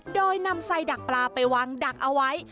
โดยนำใส่ดักปลาไปวางดักเอาไว้